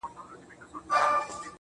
o بې حیا یم، بې شرفه په وطن کي.